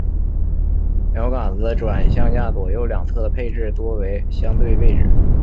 锚杆于转向架左右两侧的配置多为相对位置。